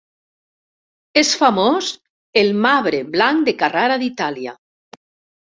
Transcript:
És famós el marbre blanc de Carrara d'Itàlia.